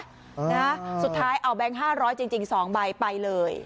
นะฮะสุดท้ายเอาแบงค์๕๐๐จริง๒ใบไปเลย